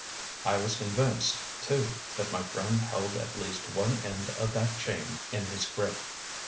I was convinced, too, that my friend held at least one end of that chain in his grip.